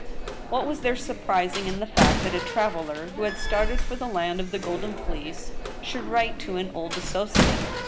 What was there surprising in the fact that a traveler, who had started for the land of the Golden Fleece, should write to an old as sociate